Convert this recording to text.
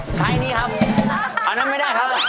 ใช้อันนี้ครับ